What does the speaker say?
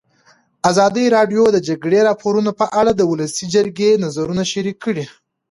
ازادي راډیو د د جګړې راپورونه په اړه د ولسي جرګې نظرونه شریک کړي.